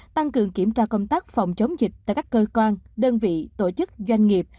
tăng cường kiểm tra công tác phòng chống dịch tại các cơ quan đơn vị tổ chức doanh nghiệp